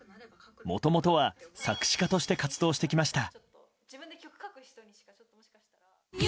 もともとは作詞家として活動してきました。